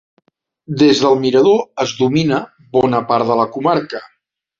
Des del mirador es domina bona part de la comarca.